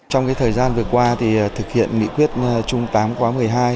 trong thời gian vừa qua thì thực hiện nghị quyết trung tám quá một mươi hai